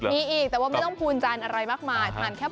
มีอีกแล้วมีอีกแล้ว